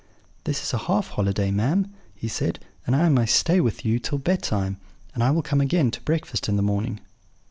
"'This is a half holiday, ma'am,' he said, 'and I may stay with you till bed time: and I will come again to breakfast in the morning.'